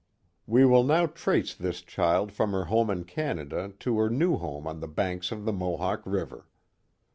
We will now trace this child from her home in Canada to her new home on the banks of the Mohawk River.